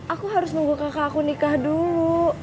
aku harus nunggu kakak aku nikah dulu